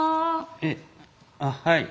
「えっあっはい！